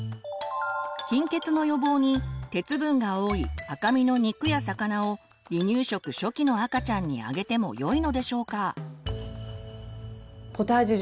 貧血の予防に鉄分が多い赤身の肉や魚を離乳食初期の赤ちゃんにあげてもよいのでしょうか？